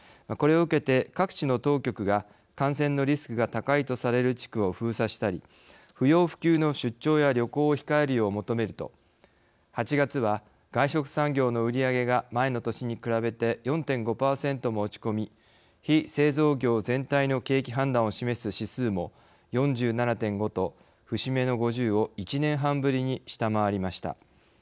これを受けて各地の当局が感染のリスクが高いとされる地区を封鎖したり不要不急の出張や旅行を控えるよう求めると８月は外食産業の売り上げが前の年に比べて４．５％も落ち込み非製造業全体の景気判断を示す指数も４７．５と節目の５０を１年半ぶりに下回りました。